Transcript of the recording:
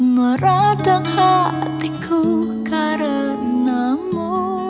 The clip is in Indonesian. meradang hatiku karenamu